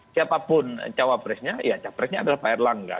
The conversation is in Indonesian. siapapun cawapresnya ya capresnya adalah pak erlangga